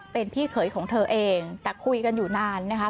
เป็นพี่เขยของเธอเองแต่คุยกันอยู่นานนะคะ